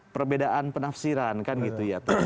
perbedaan penafsiran kan gitu ya